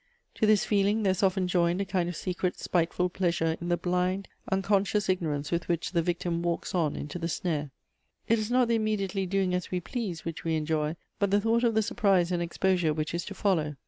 To this feeling there is often joined a kind of secret, spiteful pleasure in the blind, unconscious ignorance with which the victim walks on into the snare. It is not the immediately doing as we jilease which we enjoy, but the thought of the surprise and exposure which is to follow.